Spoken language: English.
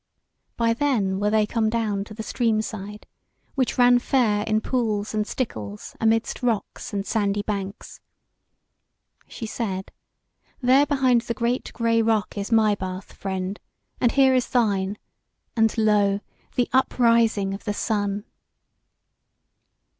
By then were they come down to the stream side, which ran fair in pools and stickles amidst rocks and sandy banks. She said: "There behind the great grey rock is my bath, friend; and here is thine; and lo! the uprising of the sun!"